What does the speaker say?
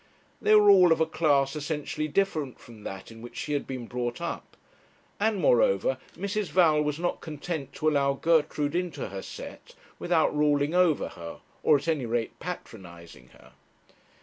They were all of a class essentially different from that in which she had been brought up; and, moreover, Mrs. Val was not content to allow Gertrude into her set without ruling over her, or at any rate patronizing her.